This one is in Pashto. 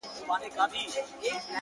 زما هغـه ســـترگو ته ودريـــږي ـ